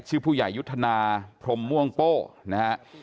ชื่อผู้ใหญ่ยุทธนาพรมม่วงโป้นะฮะ